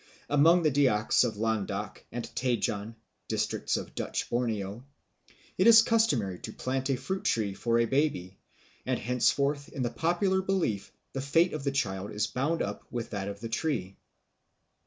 Amongst the Dyaks of Landak and Tajan, districts of Dutch Borneo, it is customary to plant a fruit tree for a baby, and henceforth in the popular belief the fate of the child is bound up with that of the tree.